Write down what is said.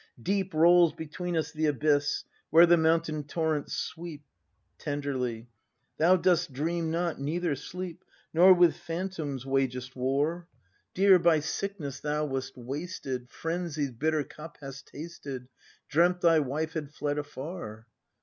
Deep Rolls between us the abyss, Where the mountain torrents sweep! [Tenderly.] Thou dost dream not, neither sleep, Nor with phantoms wagest war; 292 BRAND [act v Dear, by sickness thou wast wasted, — Frenzy's bitter cup hast tasted. Dreamt, thy wife had fled afar.